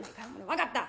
分かった。